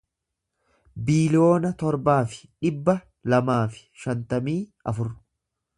biiliyoona torbaa fi dhibba lamaa fi shantamii afur